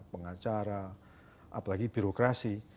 pengacara apalagi birokrasi